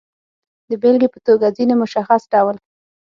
د بېلګې په توګه، ځینې مشخص ډول